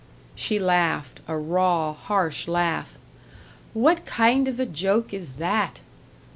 She laughed a raw, harsh laugh. "What kind of a joke is that?"